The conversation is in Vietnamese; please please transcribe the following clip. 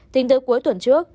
tính từ cuối tuần trước